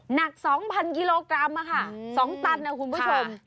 หนัก๒๐๐กิโลกรัม๒ตันนะคุณผู้ชม